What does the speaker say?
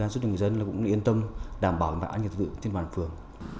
giúp cho người dân cũng yên tâm đảm bảo mạng ảnh hưởng tượng trên bàn phường